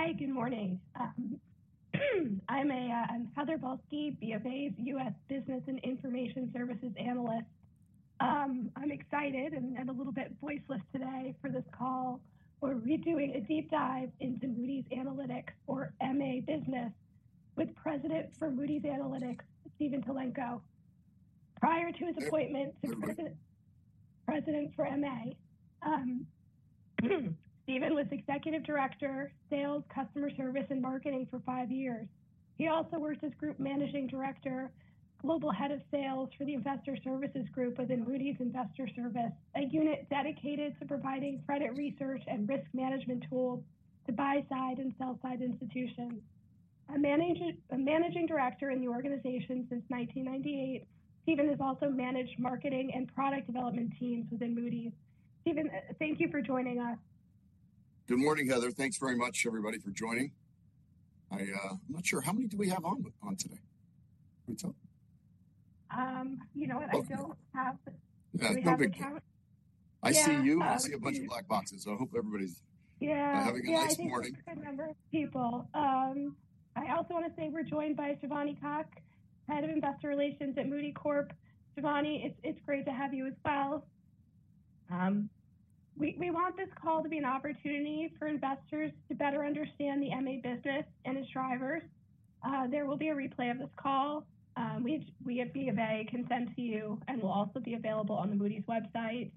Hi, good morning. I'm Heather Balsky, BofA's U.S. Business and Information Services Analyst. I'm excited and a little bit voiceless today for this call. We're redoing a deep dive into Moody's Analytics, or MA Business, with President of Moody's Analytics, Stephen Tulenko. Prior to his appointment to President. President for MA, Stephen was Executive Director, Sales, Customer Service, and Marketing for five years. He also worked as Group Managing Director, Global Head of Sales for the Investor Services Group within Moody's Investors Service, a unit dedicated to providing credit research and risk management tools to buy-side and sell-side institutions. As a managing director in the organization since 1998, Stephen has also managed marketing and product development teams within Moody's. Stephen, thank you for joining us. Good morning, Heather. Thanks very much, everybody, for joining. I'm not sure. How many do we have on today? Can we tell? You know what? I don't have. Oh, no. We have a count. Yeah. I see you. Yeah. I see a bunch of black boxes. I hope everybody's. Yeah. Having a nice morning. Yeah. I think it's a good number of people. I also wanna say we're joined by Shivani Kak, Head of Investor Relations at Moody Corp. Shivani, it's, it's great to have you as well. We, we want this call to be an opportunity for investors to better understand the MA Business and its drivers. There will be a replay of this call. We, we at BofA can send to you, and we'll also be available on the Moody's website.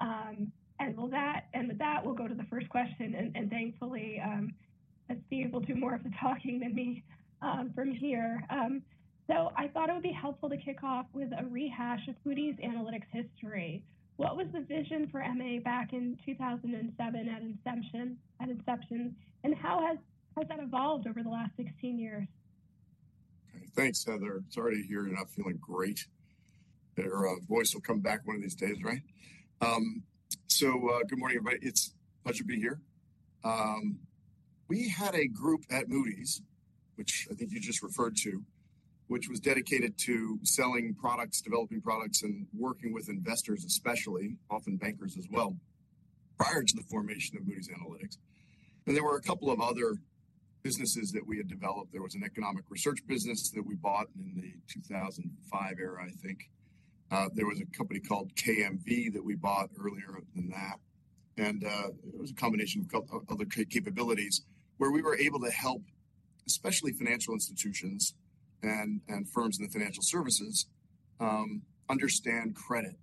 And with that, we'll go to the first question. And, and thankfully, I see you will do more of the talking than me, from here. So I thought it would be helpful to kick off with a rehash of Moody's Analytics history. What was the vision for MA back in 2007 at Inception at Inception, and how has, has that evolved over the last 16 years? Okay. Thanks, Heather. Sorry to hear you're not feeling great. Your voice will come back one of these days, right? So, good morning, everybody. It's a pleasure to be here. We had a group at Moody's, which I think you just referred to, which was dedicated to selling products, developing products, and working with investors especially, often bankers as well, prior to the formation of Moody's Analytics. And there were a couple of other businesses that we had developed. There was an economic research business that we bought in the 2005 era, I think. There was a company called KMV that we bought earlier than that. And it was a combination of other capabilities where we were able to help especially financial institutions and firms in the financial services understand credit.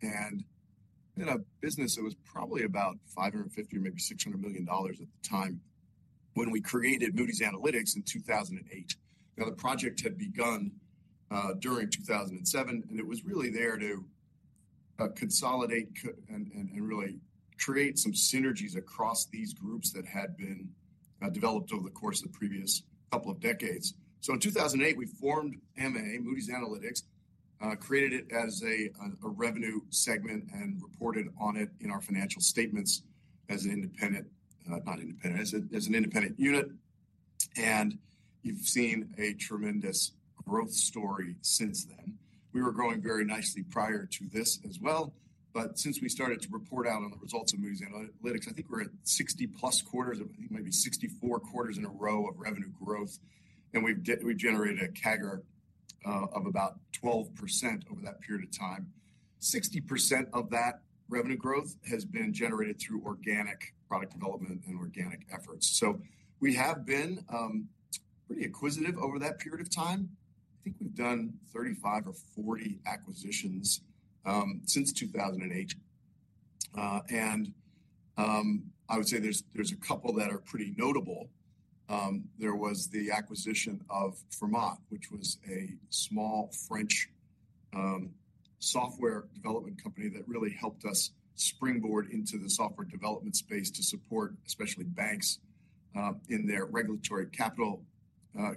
In a business that was probably about $550 million or maybe $600 million at the time when we created Moody's Analytics in 2008. Now, the project had begun during 2007, and it was really there to consolidate and really create some synergies across these groups that had been developed over the course of the previous couple of decades. So in 2008, we formed MA, Moody's Analytics, created it as a revenue segment, and reported on it in our financial statements as an independent unit. And you've seen a tremendous growth story since then. We were growing very nicely prior to this as well. But since we started to report out on the results of Moody's Analytics, I think we're at 60+ quarters of I think maybe 64 quarters in a row of revenue growth. And we've generated a CAGR of about 12% over that period of time. 60% of that revenue growth has been generated through organic product development and organic efforts. So we have been pretty acquisitive over that period of time. I think we've done 35 or 40 acquisitions since 2008. And I would say there's a couple that are pretty notable. There was the acquisition of Fermat, which was a small French software development company that really helped us springboard into the software development space to support especially banks in their regulatory capital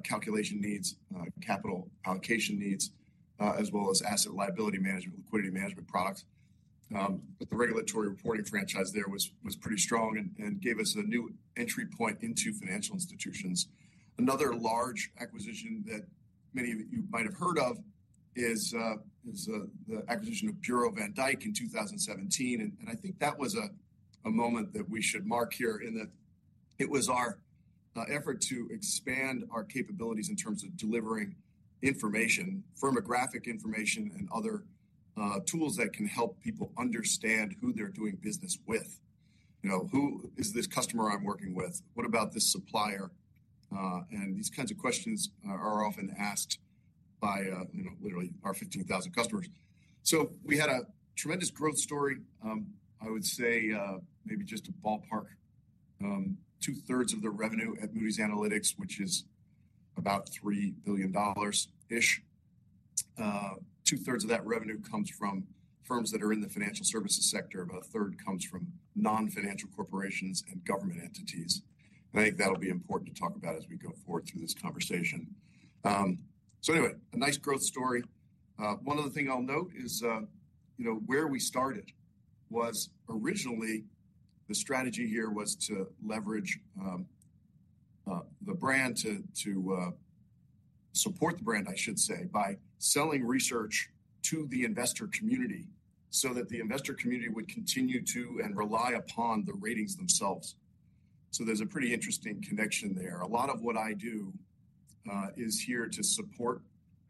calculation needs, capital allocation needs, as well as asset liability management, liquidity management products. But the regulatory reporting franchise there was pretty strong and gave us a new entry point into financial institutions. Another large acquisition that many of you might have heard of is the acquisition of Bureau van Dijk in 2017. And I think that was a moment that we should mark here in that it was our effort to expand our capabilities in terms of delivering information, firmographic information, and other tools that can help people understand who they're doing business with. You know, who is this customer I'm working with? What about this supplier? And these kinds of questions are often asked by, you know, literally our 15,000 customers. So we had a tremendous growth story. I would say, maybe just a ballpark, two-thirds of the revenue at Moody's Analytics, which is about $3 billion-ish. Two-thirds of that revenue comes from firms that are in the financial services sector. About a third comes from non-financial corporations and government entities. And I think that'll be important to talk about as we go forward through this conversation. So anyway, a nice growth story. One other thing I'll note is, you know, where we started was originally the strategy here was to leverage the brand to support the brand, I should say, by selling research to the investor community so that the investor community would continue to and rely upon the ratings themselves. So there's a pretty interesting connection there. A lot of what I do is here to support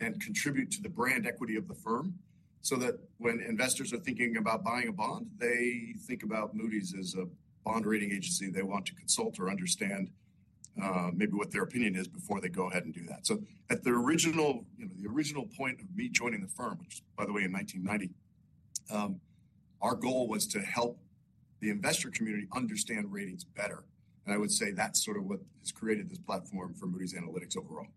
and contribute to the brand equity of the firm so that when investors are thinking about buying a bond, they think about Moody's as a bond rating agency. They want to consult or understand, maybe what their opinion is before they go ahead and do that. So at the original you know, the original point of me joining the firm, which is, by the way, in 1990, our goal was to help the investor community understand ratings better. I would say that's sort of what has created this platform for Moody's Analytics overall.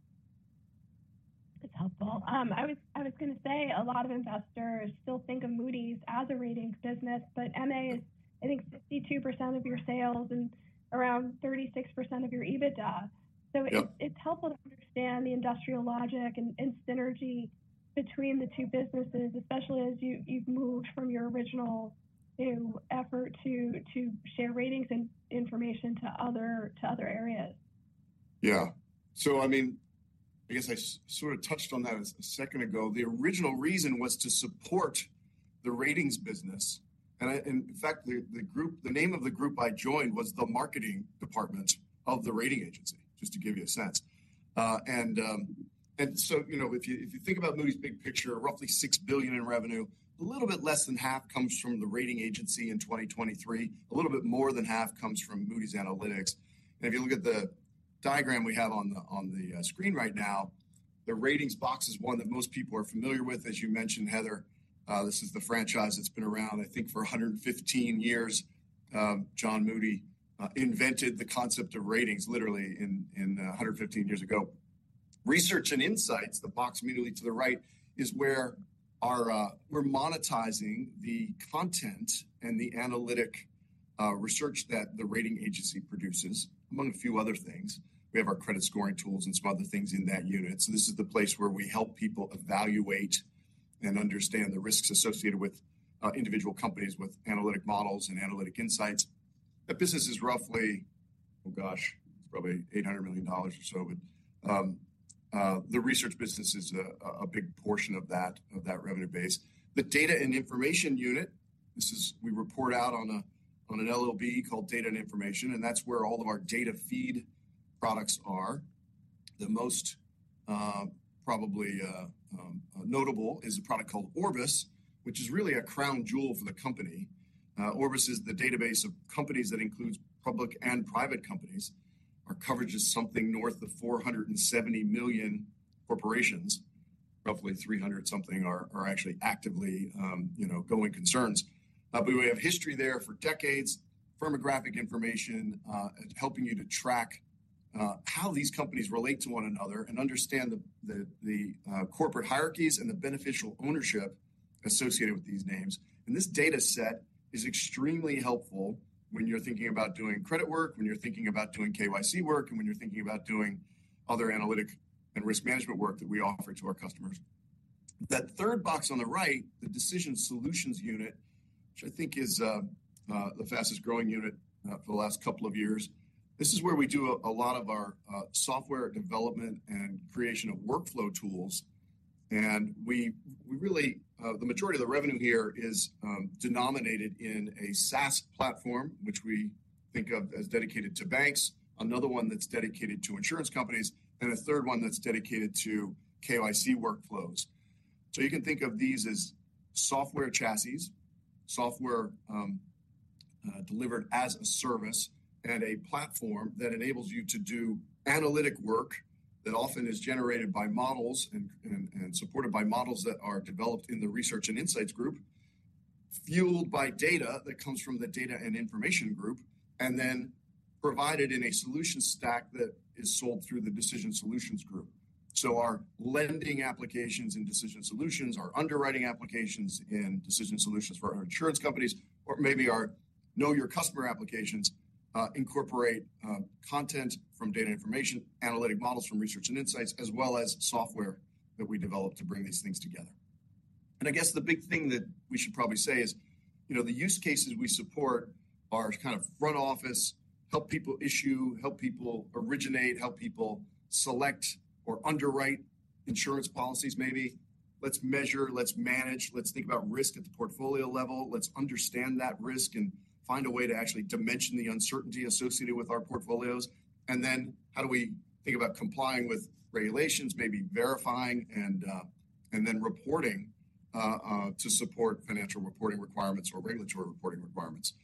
That's helpful. I was gonna say a lot of investors still think of Moody's as a ratings business, but MA is, I think, 62% of your sales and around 36% of your EBITDA. So it's helpful to understand the industrial logic and synergy between the two businesses, especially as you've moved from your original, you know, effort to share ratings and information to other areas. Yeah. So, I mean, I guess I sort of touched on that a second ago. The original reason was to support the ratings business. And in fact, the group the name of the group I joined was the marketing department of the rating agency, just to give you a sense. And so, you know, if you think about Moody's big picture, roughly $6 billion in revenue, a little bit less than half comes from the rating agency in 2023. A little bit more than half comes from Moody's Analytics. And if you look at the diagram we have on the screen right now, the ratings box is one that most people are familiar with. As you mentioned, Heather, this is the franchise that's been around, I think, for 115 years. John Moody invented the concept of ratings, literally, in 115 years ago. Research and Insights, the box immediately to the right, is where we're monetizing the content and the analytic research that the rating agency produces, among a few other things. We have our credit scoring tools and some other things in that unit. So this is the place where we help people evaluate and understand the risks associated with individual companies with analytic models and analytic insights. That business is roughly oh gosh, it's probably $800 million or so, but the research business is a big portion of that revenue base. The Data and Information Unit, this is we report out on a segment called Data and Information, and that's where all of our data feed products are. The most, probably, notable is a product called Orbis, which is really a crown jewel for the company. Orbis is the database of companies that includes public and private companies. Our coverage is something north of 470 million corporations. Roughly 300-something are actually actively, you know, going concerns. but we have history there for decades, firmographic information, helping you to track how these companies relate to one another and understand the corporate hierarchies and the beneficial ownership associated with these names. And this dataset is extremely helpful when you're thinking about doing credit work, when you're thinking about doing KYC work, and when you're thinking about doing other analytic and risk management work that we offer to our customers. That third box on the right, the Decision Solutions Unit, which I think is the fastest growing unit for the last couple of years, this is where we do a lot of our software development and creation of workflow tools. And we really, the majority of the revenue here is denominated in a SaaS platform, which we think of as dedicated to banks, another one that's dedicated to insurance companies, and a third one that's dedicated to KYC workflows. So you can think of these as software chassis, software, delivered as a service, and a platform that enables you to do analytic work that often is generated by models and supported by models that are developed in the Research and Insights group, fueled by data that comes from the Data and Information group, and then provided in a solution stack that is sold through the Decision Solutions Group. So our lending applications in Decision Solutions, our underwriting applications in Decision Solutions for our insurance companies, or maybe our Know Your Customer applications, incorporate content from Data and Information, analytic models from Research and Insights, as well as software that we develop to bring these things together. And I guess the big thing that we should probably say is, you know, the use cases we support are kind of front office, help people issue, help people originate, help people select or underwrite insurance policies, maybe. Let's measure. Let's manage. Let's think about risk at the portfolio level. Let's understand that risk and find a way to actually dimension the uncertainty associated with our portfolios. And then how do we think about complying with regulations, maybe verifying and, and then reporting, to support financial reporting requirements or regulatory reporting requirements?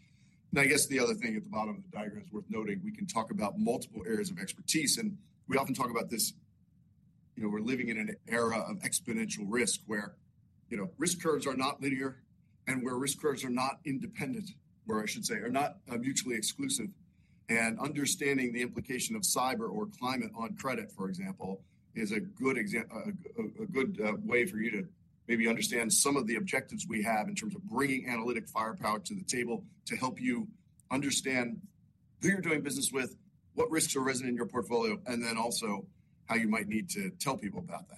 Now, I guess the other thing at the bottom of the diagram is worth noting, we can talk about multiple areas of expertise. We often talk about this, you know, we're living in an era of exponential risk where, you know, risk curves are not linear and where risk curves are not independent, or I should say, are not mutually exclusive. And understanding the implication of cyber or climate on credit, for example, is a good way for you to maybe understand some of the objectives we have in terms of bringing analytic firepower to the table to help you understand who you're doing business with, what risks are resident in your portfolio, and then also how you might need to tell people about that.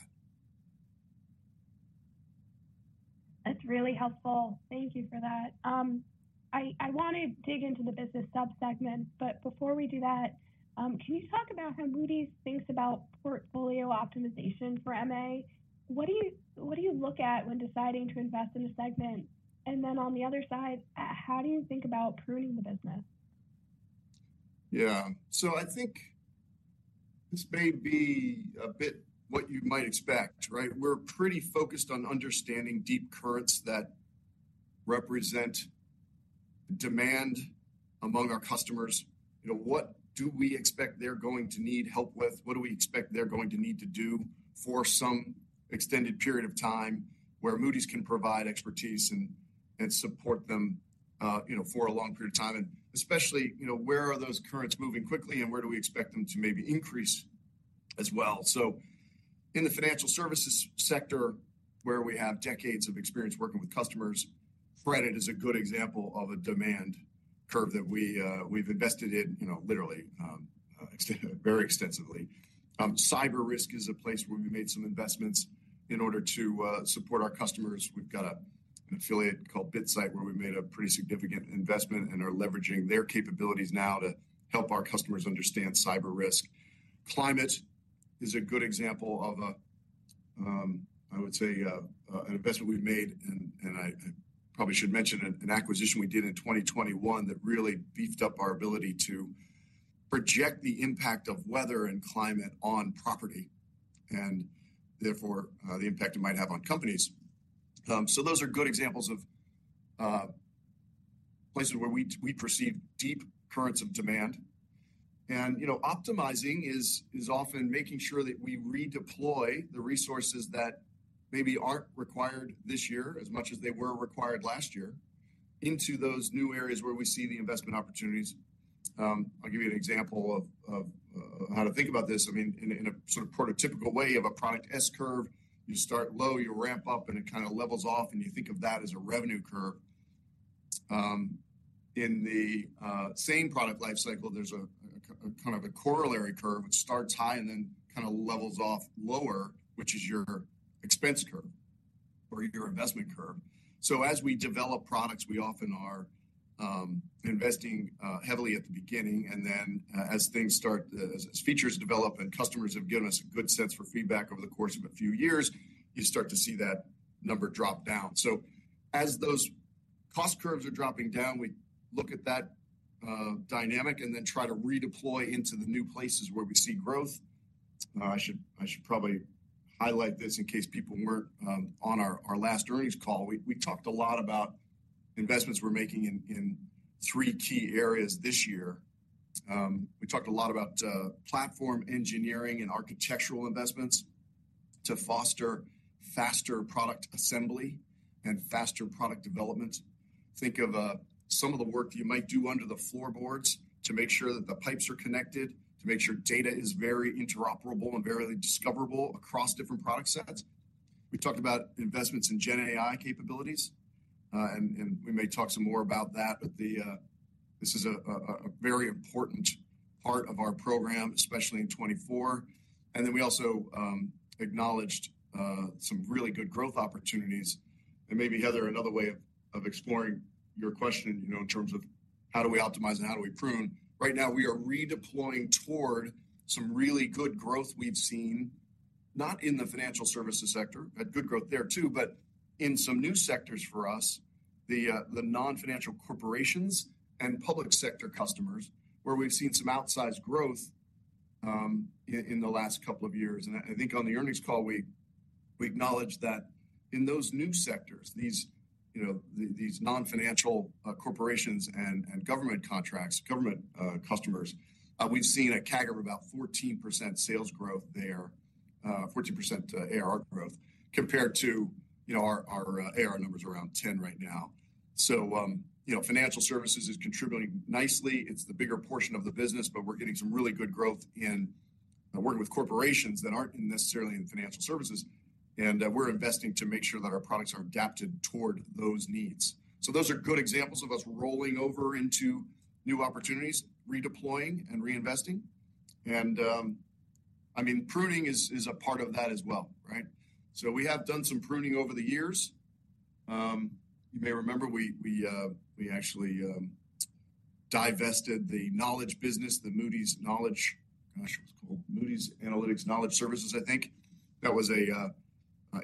That's really helpful. Thank you for that. I want to dig into the business subsegment, but before we do that, can you talk about how Moody's thinks about portfolio optimization for MA? What do you look at when deciding to invest in a segment? And then on the other side, how do you think about pruning the business? Yeah. So I think this may be a bit what you might expect, right? We're pretty focused on understanding deep currents that represent demand among our customers. You know, what do we expect they're going to need help with? What do we expect they're going to need to do for some extended period of time where Moody's can provide expertise and, and support them, you know, for a long period of time? And especially, you know, where are those currents moving quickly, and where do we expect them to maybe increase as well? So in the financial services sector, where we have decades of experience working with customers, credit is a good example of a demand curve that we, we've invested in, you know, literally, very extensively. Cyber risk is a place where we made some investments in order to support our customers. We've got an affiliate called Bitsight where we made a pretty significant investment, and are leveraging their capabilities now to help our customers understand cyber risk. Climate is a good example of a, I would say, an investment we've made. And I probably should mention an acquisition we did in 2021 that really beefed up our ability to project the impact of weather and climate on property and therefore, the impact it might have on companies. So those are good examples of places where we perceive deep currents of demand. And, you know, optimizing is often making sure that we redeploy the resources that maybe aren't required this year as much as they were required last year into those new areas where we see the investment opportunities. I'll give you an example of how to think about this. I mean, in a sort of prototypical way of a product S curve, you start low, you ramp up, and it kind of levels off, and you think of that as a revenue curve. In the same product lifecycle, there's a kind of a corollary curve which starts high and then kind of levels off lower, which is your expense curve or your investment curve. So as we develop products, we often are investing heavily at the beginning. And then, as things start, as features develop and customers have given us a good sense for feedback over the course of a few years, you start to see that number drop down. So as those cost curves are dropping down, we look at that dynamic and then try to redeploy into the new places where we see growth. I should probably highlight this in case people weren't on our last earnings call. We talked a lot about investments we're making in three key areas this year. We talked a lot about platform engineering and architectural investments to foster faster product assembly and faster product development. Think of some of the work that you might do under the floorboards to make sure that the pipes are connected, to make sure data is very interoperable and verily discoverable across different product sets. We talked about investments in GenAI capabilities. And we may talk some more about that, but this is a very important part of our program, especially in 2024. And then we also acknowledged some really good growth opportunities. And maybe, Heather, another way of exploring your question, you know, in terms of how do we optimize and how do we prune. Right now, we are redeploying toward some really good growth we've seen, not in the financial services sector. We've had good growth there too, but in some new sectors for us, the non-financial corporations and public sector customers where we've seen some outsized growth, in the last couple of years. And I think on the earnings call, we acknowledged that in those new sectors, these, you know, the, these non-financial corporations and government contracts, government customers, we've seen a CAGR of about 14% sales growth there, 14%, AR growth, compared to, you know, our, our AR numbers around 10 right now. So, you know, financial services is contributing nicely. It's the bigger portion of the business, but we're getting some really good growth in working with corporations that aren't necessarily in financial services. And, we're investing to make sure that our products are adapted toward those needs. So those are good examples of us rolling over into new opportunities, redeploying and reinvesting. And, I mean, pruning is a part of that as well, right? So we have done some pruning over the years. You may remember we actually divested the knowledge business, the Moody's Knowledge, gosh, it was called Moody's Analytics Knowledge Services, I think. That was an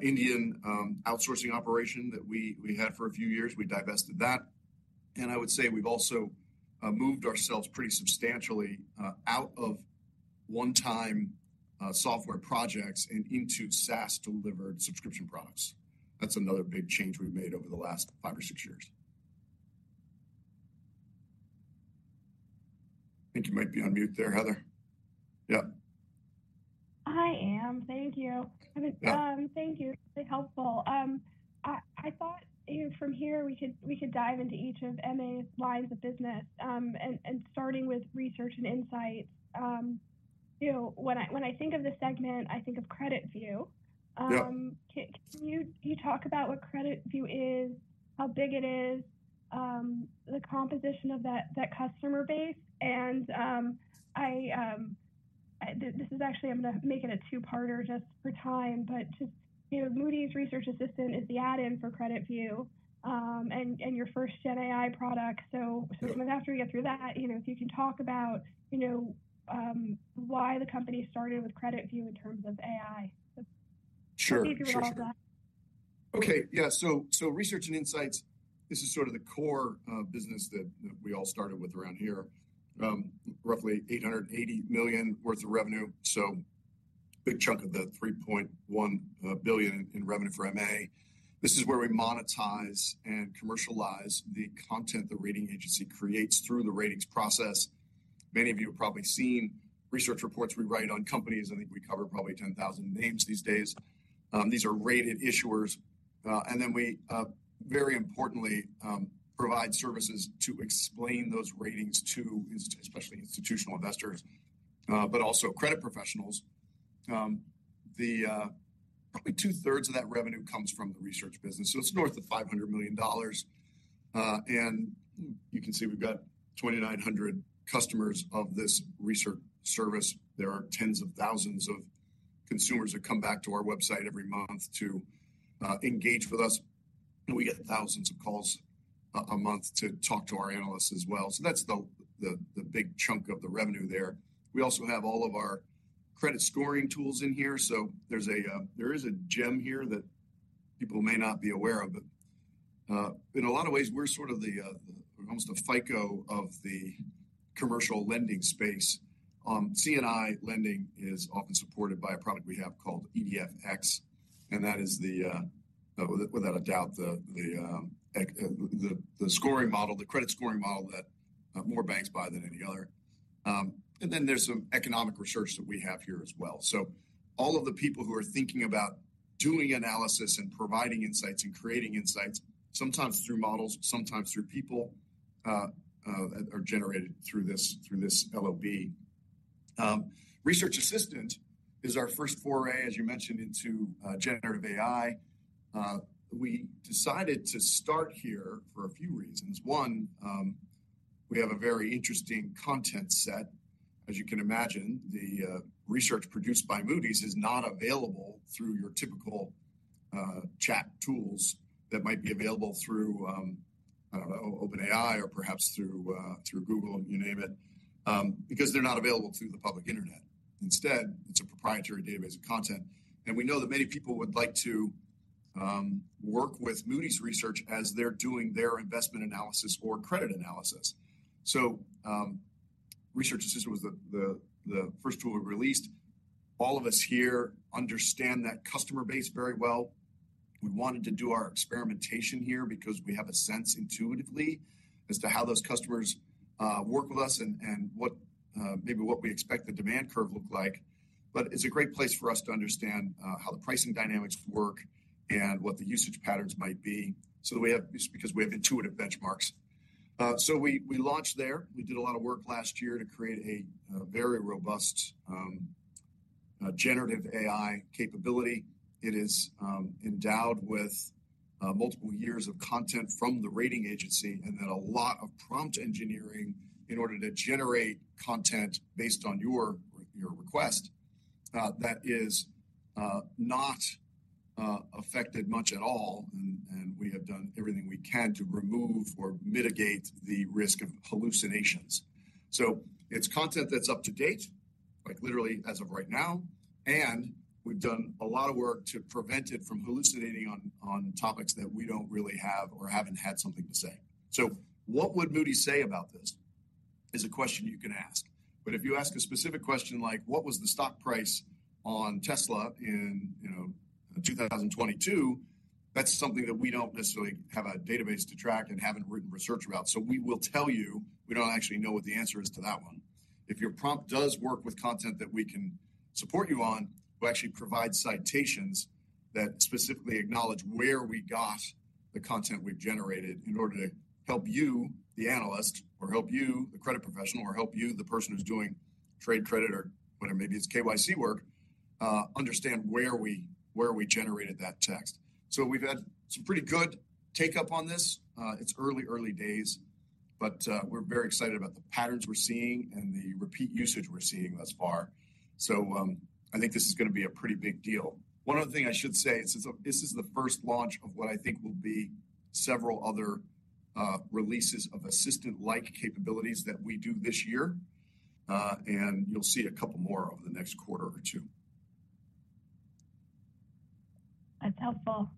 Indian outsourcing operation that we had for a few years. We divested that. And I would say we've also moved ourselves pretty substantially out of one-time software projects and into SaaS-delivered subscription products. That's another big change we've made over the last five or six years. I think you might be on mute there, Heather. Yep. I am. Thank you. I mean, thank you. Really helpful. I thought, you know, from here, we could dive into each of MA's lines of business, and starting with Research and Insights. You know, when I think of the segment, I think of CreditView. Yep. Can you talk about what CreditView is, how big it is, the composition of that customer base? And this is actually. I'm gonna make it a two-parter just for time, but just, you know, Moody's Research Assistant is the add-in for CreditView, and your first GenAI product. So kind of after we get through that, you know, if you can talk about why the company started with CreditView in terms of AI. Sure. I'm gonna see if you recall that. Okay. Yeah. So Research and Insights, this is sort of the core business that we all started with around here. Roughly $880 million in revenue, so a big chunk of the $3.1 billion in revenue for MA. This is where we monetize and commercialize the content the rating agency creates through the ratings process. Many of you have probably seen research reports we write on companies. I think we cover probably 10,000 names these days. These are rated issuers. And then we, very importantly, provide services to explain those ratings to institutional investors, especially institutional investors, but also credit professionals. Probably two-thirds of that revenue comes from the research business. So it's north of $500 million. And you can see we've got 2,900 customers of this research service. There are tens of thousands of consumers that come back to our website every month to engage with us. And we get thousands of calls a month to talk to our analysts as well. So that's the big chunk of the revenue there. We also have all of our credit scoring tools in here. So there is a gem here that people may not be aware of, but in a lot of ways, we're sort of the almost a FICO of the commercial lending space. C&I lending is often supported by a product we have called EDF-X. And that is, without a doubt, the scoring model, the credit scoring model that more banks buy than any other. And then there's some economic research that we have here as well. So all of the people who are thinking about doing analysis and providing insights and creating insights, sometimes through models, sometimes through people, are generated through this LOB. Research Assistant is our first foray, as you mentioned, into generative AI. We decided to start here for a few reasons. One, we have a very interesting content set. As you can imagine, the research produced by Moody's is not available through your typical chat tools that might be available through, I don't know, OpenAI or perhaps through Google, you name it, because they're not available to the public internet. Instead, it's a proprietary database of content. We know that many people would like to work with Moody's Research as they're doing their investment analysis or credit analysis. Research Assistant was the first tool we released. All of us here understand that customer base very well. We wanted to do our experimentation here because we have a sense intuitively as to how those customers work with us and what, maybe what we expect the demand curve look like. But it's a great place for us to understand how the pricing dynamics work and what the usage patterns might be so that we have just because we have intuitive benchmarks. So we launched there. We did a lot of work last year to create a very robust generative AI capability. It is endowed with multiple years of content from the rating agency and then a lot of prompt engineering in order to generate content based on your request that is not affected much at all. And we have done everything we can to remove or mitigate the risk of hallucinations. So it's content that's up to date, like literally as of right now. And we've done a lot of work to prevent it from hallucinating on, on topics that we don't really have or haven't had something to say. So what would Moody's say about this is a question you can ask. But if you ask a specific question like, "What was the stock price on Tesla in, you know, 2022?" that's something that we don't necessarily have a database to track and haven't written research about. So we will tell you. We don't actually know what the answer is to that one. If your prompt does work with content that we can support you on, we'll actually provide citations that specifically acknowledge where we got the content we've generated in order to help you, the analyst, or help you, the credit professional, or help you, the person who's doing trade credit or whatever. Maybe it's KYC work; understand where we generated that text. So we've had some pretty good uptake on this. It's early, early days. But we're very excited about the patterns we're seeing and the repeat usage we're seeing thus far. So I think this is gonna be a pretty big deal. One other thing I should say is this is the first launch of what I think will be several other releases of assistant-like capabilities that we do this year. You'll see a couple more over the next quarter or two. That's helpful.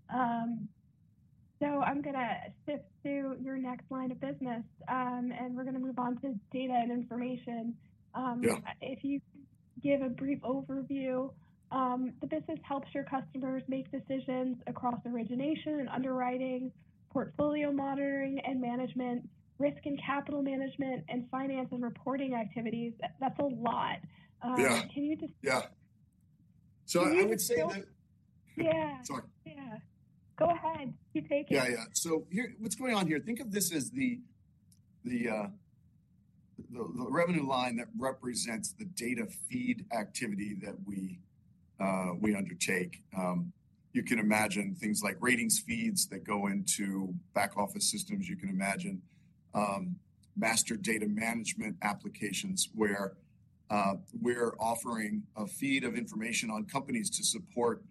So I'm gonna shift to your next line of business. And we're gonna move on to Data and Information. Yeah. If you can give a brief overview, the business helps your customers make decisions across origination and underwriting, portfolio monitoring and management, risk and capital management, and finance and reporting activities. That's a lot. Yeah. Can you just. Yeah. So I would say that. Can you still? Yeah. Sorry. Yeah. Go ahead. Keep taking. Yeah, yeah. So here what's going on here, think of this as the revenue line that represents the data feed activity that we undertake. You can imagine things like ratings feeds that go into back-office systems. You can imagine master data management applications where we're offering a feed of information on companies to support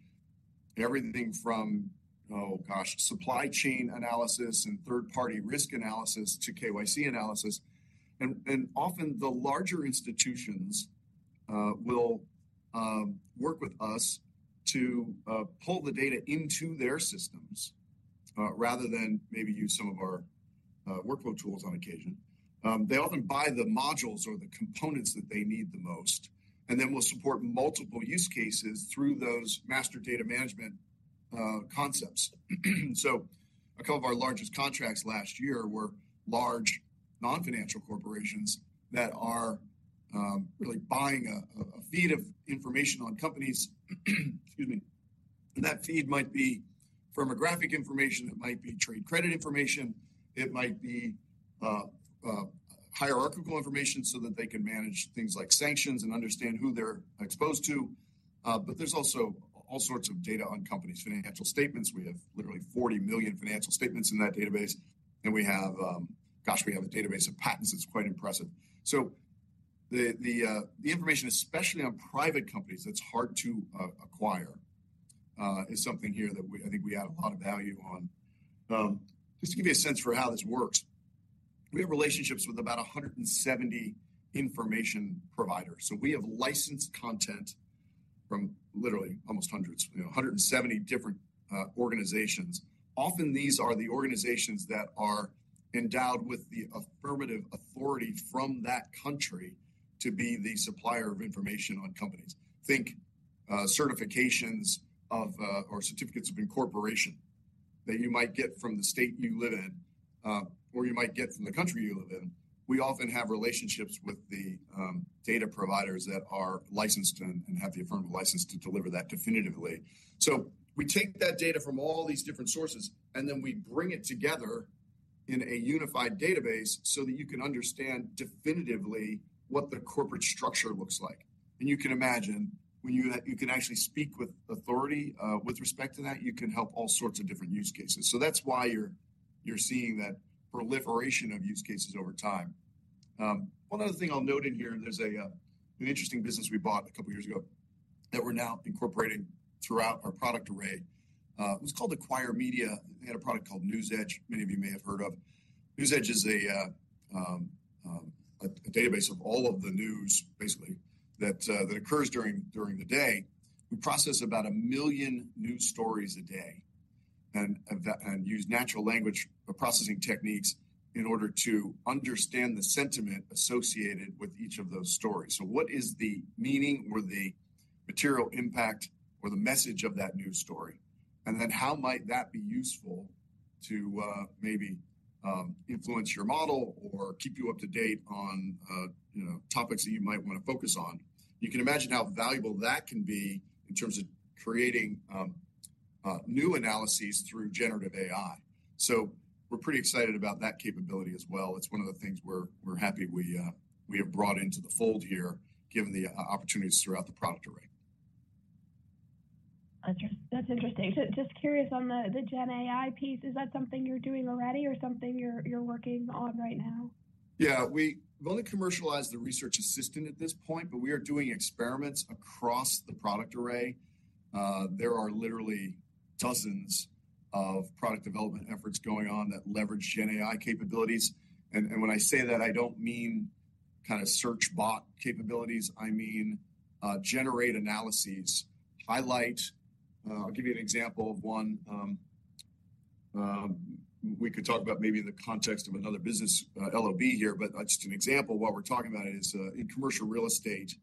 everything from oh gosh, supply chain analysis and third-party risk analysis to KYC analysis. And often, the larger institutions will work with us to pull the data into their systems, rather than maybe use some of our workflow tools on occasion. They often buy the modules or the components that they need the most. And then we'll support multiple use cases through those master data management concepts. So a couple of our largest contracts last year were large non-financial corporations that are really buying a feed of information on companies. Excuse me. And that feed might be firmographic information. It might be trade credit information. It might be hierarchical information so that they can manage things like sanctions and understand who they're exposed to. But there's also all sorts of data on companies, financial statements. We have literally 40 million financial statements in that database. And we have, gosh, we have a database of patents. It's quite impressive. So the information, especially on private companies that's hard to acquire, is something here that we, I think we add a lot of value on. Just to give you a sense for how this works, we have relationships with about 170 information providers. So we have licensed content from literally almost hundreds, you know, 170 different organizations. Often, these are the organizations that are endowed with the affirmative authority from that country to be the supplier of information on companies. Think, certifications of, or certificates of incorporation that you might get from the state you live in, or you might get from the country you live in. We often have relationships with the data providers that are licensed and have the affirmative license to deliver that definitively. So we take that data from all these different sources, and then we bring it together in a unified database so that you can understand definitively what the corporate structure looks like. And you can imagine when you can actually speak with authority, with respect to that. You can help all sorts of different use cases. So that's why you're seeing that proliferation of use cases over time. One other thing I'll note in here, there's an interesting business we bought a couple years ago that we're now incorporating throughout our product array. It was called Acquire Media. They had a product called NewsEdge, many of you may have heard of. NewsEdge is a database of all of the news, basically, that occurs during the day. We process about 1 million news stories a day and use natural language processing techniques in order to understand the sentiment associated with each of those stories. So what is the meaning or the material impact or the message of that news story? And then how might that be useful to, maybe, influence your model or keep you up to date on, you know, topics that you might wanna focus on? You can imagine how valuable that can be in terms of creating new analyses through generative AI. So we're pretty excited about that capability as well. It's one of the things we're happy we have brought into the fold here given the opportunities throughout the product array. That's interesting. Just curious on the GenAI piece. Is that something you're doing already or something you're working on right now? Yeah. We've only commercialized the Research Assistant at this point, but we are doing experiments across the product array. There are literally dozens of product development efforts going on that leverage GenAI capabilities. And, and when I say that, I don't mean kinda search bot capabilities. I mean, generate analyses, highlights. I'll give you an example of one. We could talk about maybe in the context of another business, LOB here, but, just an example, what we're talking about is, in commercial real estate,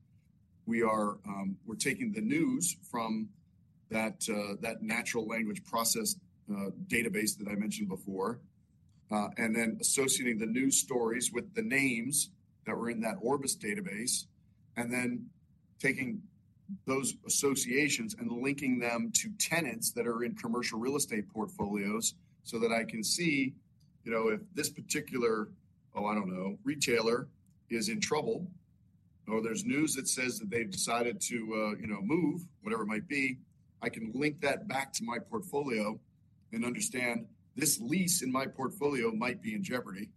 we are, we're taking the news from that, that natural language processing database that I mentioned before, and then associating the news stories with the names that were in that Orbis database. And then taking those associations and linking them to tenants that are in commercial real estate portfolios so that I can see, you know, if this particular oh, I don't know, retailer is in trouble or there's news that says that they've decided to, you know, move, whatever it might be, I can link that back to my portfolio and understand this lease in my portfolio might be in jeopardy.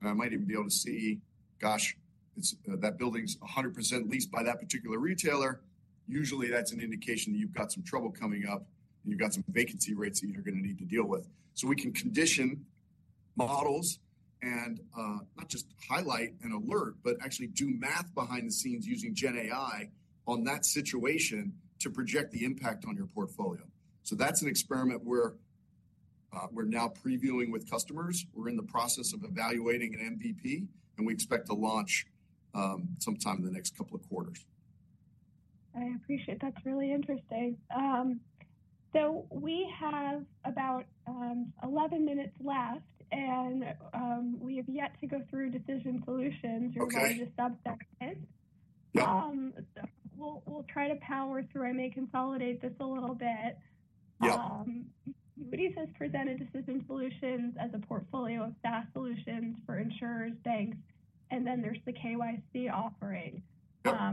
And I might even be able to see, gosh, it's, that building's 100% leased by that particular retailer. Usually, that's an indication that you've got some trouble coming up, and you've got some vacancy rates that you're gonna need to deal with. So we can condition models and, not just highlight and alert, but actually do math behind the scenes using GenAI on that situation to project the impact on your portfolio. So that's an experiment we're now previewing with customers. We're in the process of evaluating an MVP. We expect to launch sometime in the next couple of quarters. I appreciate that. That's really interesting. We have about 11 minutes left. We have yet to go through decision solutions regarding the subsection. Okay. Yeah. We'll, we'll try to power through. I may consolidate this a little bit. Yeah. Moody's has presented decision solutions as a portfolio of SaaS solutions for insurers, banks. And then there's the KYC offering. Yeah.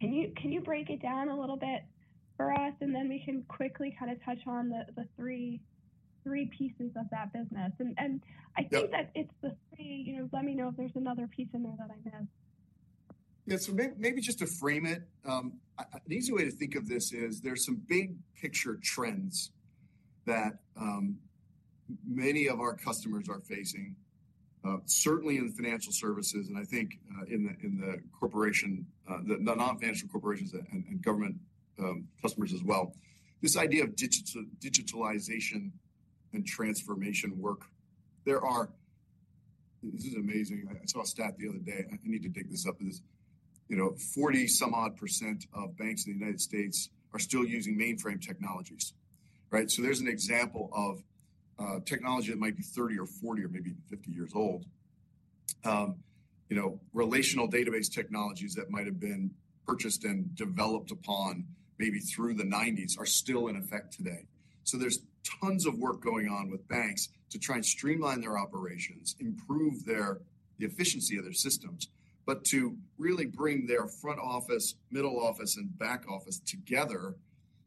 Can you break it down a little bit for us? And then we can quickly kinda touch on the three pieces of that business. And I think that it's the three. You know, let me know if there's another piece in there that I missed. Yeah. So maybe just to frame it, the easy way to think of this is there's some big picture trends that many of our customers are facing, certainly in financial services. And I think, in the corporation, the non-financial corporations and government customers as well, this idea of digital digitalization and transformation work. This is amazing. I saw a stat the other day. I need to dig this up. It is, you know, 40-some-odd% of banks in the United States are still using mainframe technologies, right? So there's an example of technology that might be 30 or 40 or maybe even 50 years old. You know, relational database technologies that might have been purchased and developed upon maybe through the 1990s are still in effect today. So there's tons of work going on with banks to try and streamline their operations, improve their efficiency of their systems, but to really bring their front office, middle office, and back office together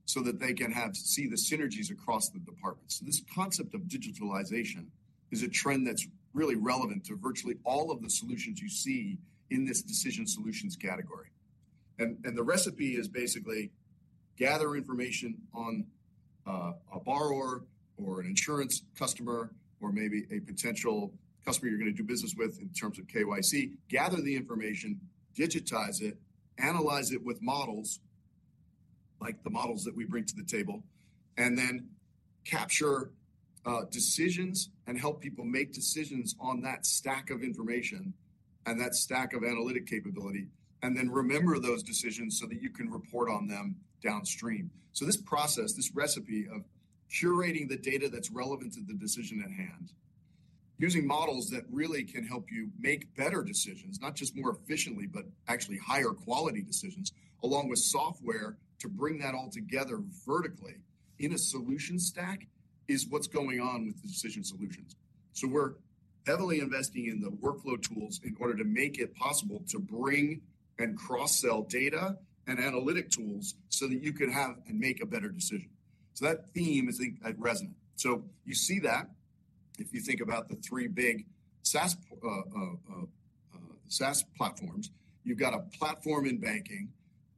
so that they can see the synergies across the departments. So this concept of digitalization is a trend that's really relevant to virtually all of the solutions you see in this decision solutions category. And the recipe is basically gather information on a borrower or an insurance customer or maybe a potential customer you're gonna do business with in terms of KYC, gather the information, digitize it, analyze it with models like the models that we bring to the table, and then capture decisions and help people make decisions on that stack of information and that stack of analytic capability and then remember those decisions so that you can report on them downstream. So this process, this recipe of curating the data that's relevant to the decision at hand, using models that really can help you make better decisions, not just more efficiently but actually higher quality decisions, along with software to bring that all together vertically in a solution stack is what's going on with the decision solutions. So we're heavily investing in the workflow tools in order to make it possible to bring and cross-sell data and analytic tools so that you can have and make a better decision. So that theme is, I think, resonant. So you see that if you think about the three big SaaS platforms. You've got a platform in banking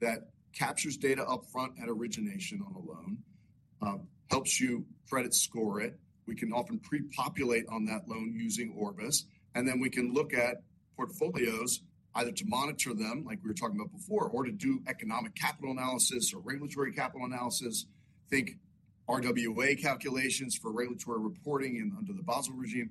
that captures data upfront at origination on a loan, helps you credit score it. We can often prepopulate on that loan using Orbis. And then we can look at portfolios either to monitor them, like we were talking about before, or to do economic capital analysis or regulatory capital analysis. Think RWA calculations for regulatory reporting and under the Basel regime.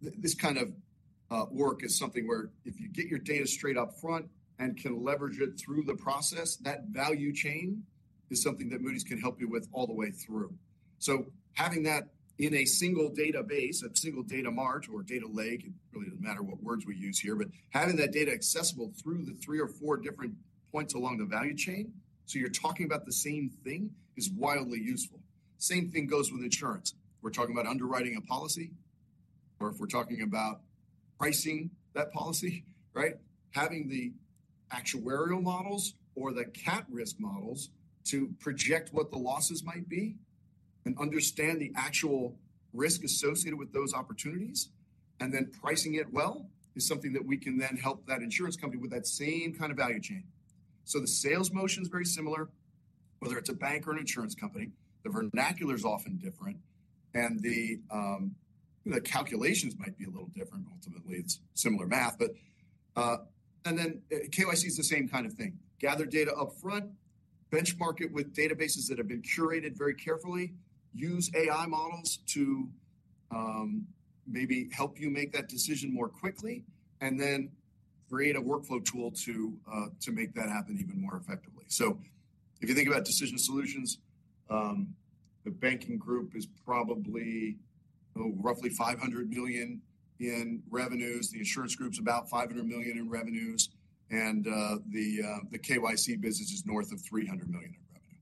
This kind of work is something where if you get your data straight upfront and can leverage it through the process, that value chain is something that Moody's can help you with all the way through. So having that in a single database, a single data mart or data lake - it really doesn't matter what words we use here - but having that data accessible through the three or four different points along the value chain so you're talking about the same thing is wildly useful. Same thing goes with insurance. If we're talking about underwriting a policy or if we're talking about pricing that policy, right, having the actuarial models or the CAT risk models to project what the losses might be and understand the actual risk associated with those opportunities and then pricing it well is something that we can then help that insurance company with that same kind of value chain. So the sales motion's very similar. Whether it's a bank or an insurance company, the vernacular's often different. And the calculations might be a little different, but ultimately, it's similar math. But, and then, KYC's the same kind of thing. Gather data upfront, benchmark it with databases that have been curated very carefully, use AI models to, maybe help you make that decision more quickly, and then create a workflow tool to make that happen even more effectively. So if you think about decision solutions, the banking group is probably, oh, roughly $500 million in revenues. The insurance group's about $500 million in revenues. And the KYC business is north of $300 million in revenue.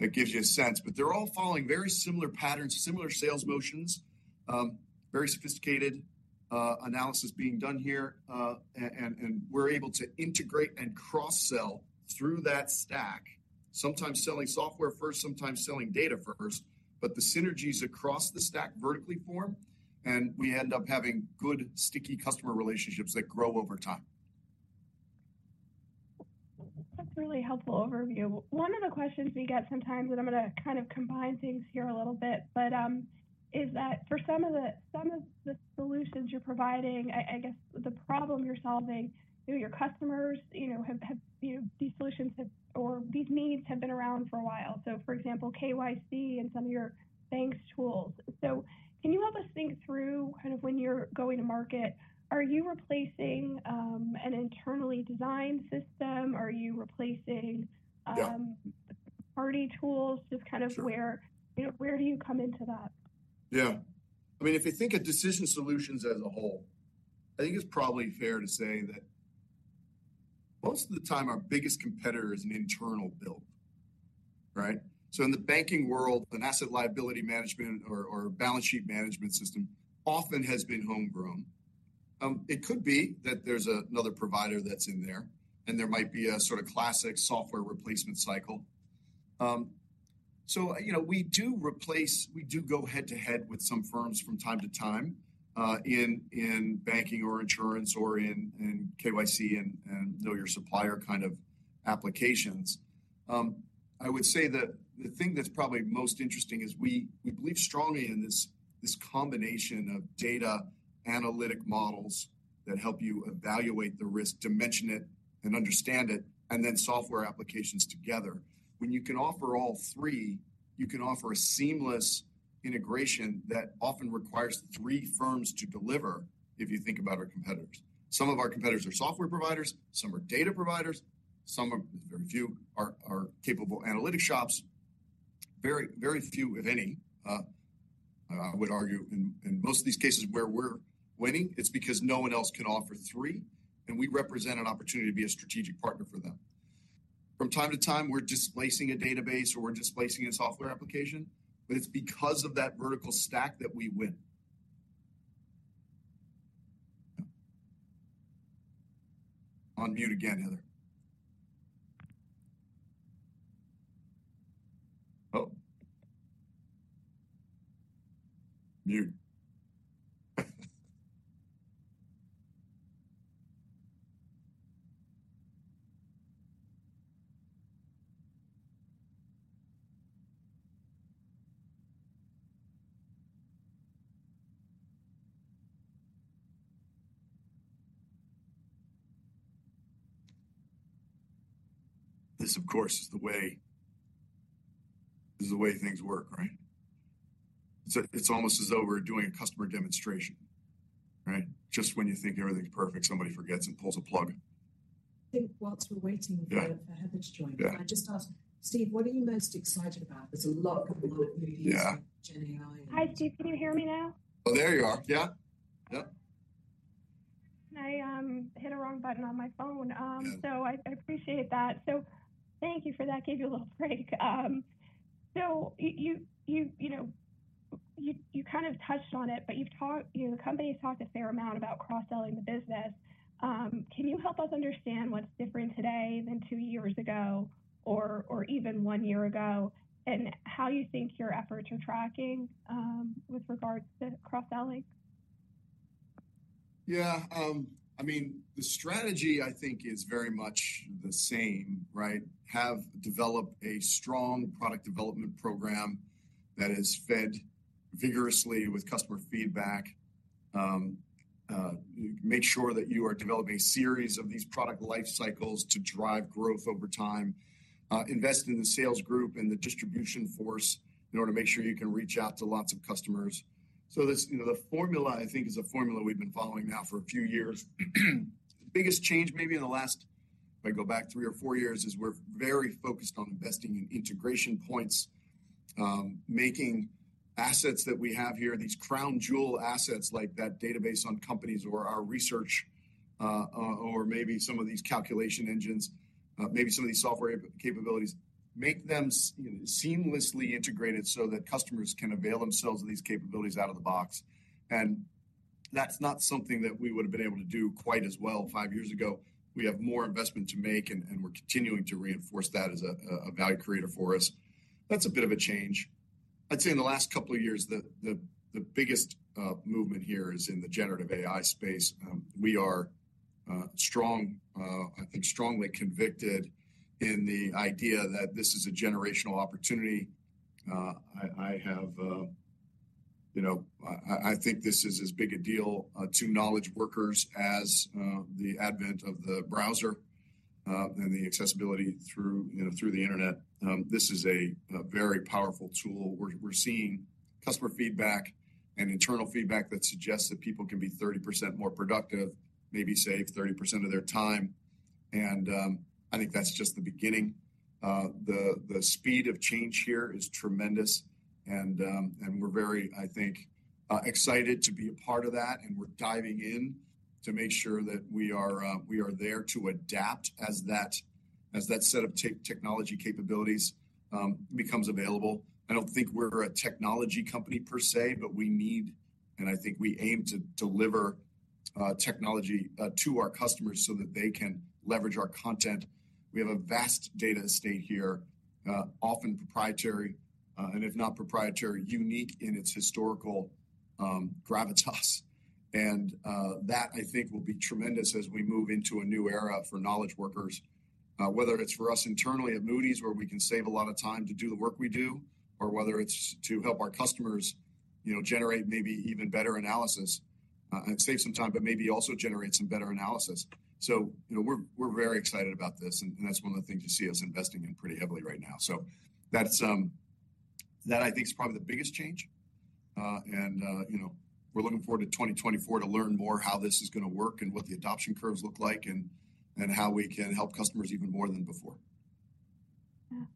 That gives you a sense. But they're all following very similar patterns, similar sales motions, very sophisticated analysis being done here. And we're able to integrate and cross-sell through that stack, sometimes selling software first, sometimes selling data first. But the synergies across the stack vertically form. And we end up having good, sticky customer relationships that grow over time. That's a really helpful overview. One of the questions we get sometimes - and I'm gonna kind of combine things here a little bit - but, is that for some of the solutions you're providing, I guess the problem you're solving, you know, your customers, you know, have you know, these solutions have or these needs have been around for a while. So, for example, KYC and some of your banks' tools. So can you help us think through kind of when you're going to market, are you replacing an internally designed system? Are you replacing, Yeah. Party tools? Just kind of where. Sure. You know, where do you come into that? Yeah. I mean, if you think of decision solutions as a whole, I think it's probably fair to say that most of the time, our biggest competitor is an internal build, right? So in the banking world, an asset liability management or, or balance sheet management system often has been homegrown. It could be that there's another provider that's in there. And there might be a sort of classic software replacement cycle. So, you know, we do replace we do go head-to-head with some firms from time to time, in, in banking or insurance or in, in KYC and, and Know Your Supplier kind of applications. I would say that the thing that's probably most interesting is we, we believe strongly in this, this combination of data analytic models that help you evaluate the risk, dimension it, and understand it, and then software applications together. When you can offer all three, you can offer a seamless integration that often requires three firms to deliver if you think about our competitors. Some of our competitors are software providers. Some are data providers. Some are. Very few are capable analytic shops. Very, very few, if any, I would argue in most of these cases where we're winning, it's because no one else can offer three. And we represent an opportunity to be a strategic partner for them. From time to time, we're displacing a database or we're displacing a software application. But it's because of that vertical stack that we win. Yeah. On mute again, Heather. Oh. Mute. This, of course, is the way things work, right? It's almost as though we're doing a customer demonstration, right, just when you think everything's perfect, somebody forgets and pulls a plug. I think while we're waiting for Heather to join. Yeah. Can I just ask, Steve, what are you most excited about? There's a lot going on at Moody's with GenAI and. Hi, Steve. Can you hear me now? Oh, there you are. Yeah. Yep. I hit a wrong button on my phone, so I appreciate that. So thank you for that. Gave you a little break, so you know, you kind of touched on it. But you've talked, you know, the company's talked a fair amount about cross-selling the business. Can you help us understand what's different today than two years ago or even one year ago and how you think your efforts are tracking with regards to cross-selling? Yeah. I mean, the strategy, I think, is very much the same, right, have develop a strong product development program that is fed vigorously with customer feedback, make sure that you are developing a series of these product life cycles to drive growth over time, invest in the sales group and the distribution force in order to make sure you can reach out to lots of customers. So this, you know, the formula, I think, is a formula we've been following now for a few years. The biggest change maybe in the last if I go back three or four years is we're very focused on investing in integration points, making assets that we have here, these crown jewel assets like that database on companies or our research, or maybe some of these calculation engines, maybe some of these software capabilities, make them, you know, seamlessly integrated so that customers can avail themselves of these capabilities out of the box. And that's not something that we would have been able to do quite as well five years ago. We have more investment to make. And we're continuing to reinforce that as a value creator for us. That's a bit of a change. I'd say in the last couple of years, the biggest movement here is in the generative AI space. We are strongly convicted in the idea that this is a generational opportunity. I have, you know, I think this is as big a deal to knowledge workers as the advent of the browser and the accessibility through, you know, the internet. This is a very powerful tool. We're seeing customer feedback and internal feedback that suggests that people can be 30% more productive, maybe save 30% of their time. And I think that's just the beginning. The speed of change here is tremendous. And we're very, I think, excited to be a part of that. And we're diving in to make sure that we are there to adapt as that set of technology capabilities becomes available. I don't think we're a technology company per se. But we need, and I think we aim to deliver technology to our customers so that they can leverage our content. We have a vast data estate here, often proprietary, and if not proprietary, unique in its historical gravitas. And that, I think, will be tremendous as we move into a new era for knowledge workers, whether it's for us internally at Moody's where we can save a lot of time to do the work we do or whether it's to help our customers, you know, generate maybe even better analysis and save some time but maybe also generate some better analysis. So, you know, we're very excited about this. And that's one of the things you see us investing in pretty heavily right now. So that's, I think, probably the biggest change. and, you know, we're looking forward to 2024 to learn more how this is gonna work and what the adoption curves look like and, and how we can help customers even more than before.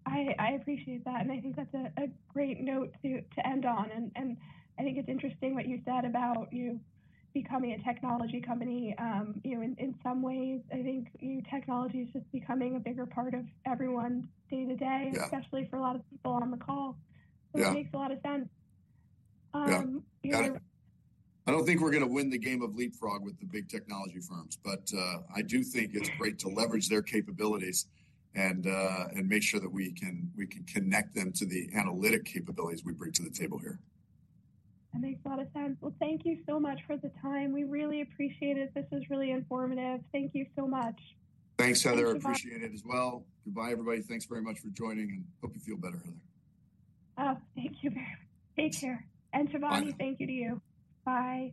I appreciate that. I think that's a great note to end on. I think it's interesting what you said about, you know, becoming a technology company, you know, in some ways. I think, you know, technology's just becoming a bigger part of everyone's day-to-day. Yeah. Especially for a lot of people on the call. Yeah. That makes a lot of sense. You know. Yeah. I don't think we're gonna win the game of Leapfrog with the big technology firms. But, I do think it's great to leverage their capabilities and make sure that we can connect them to the analytic capabilities we bring to the table here. That makes a lot of sense. Well, thank you so much for the time. We really appreciate it. This was really informative. Thank you so much. Thanks, Heather. You're welcome. Appreciate it as well. Goodbye, everybody. Thanks very much for joining. Hope you feel better, Heather. Oh, thank you very much. Take care. And, Shivani, thank you to you. Bye.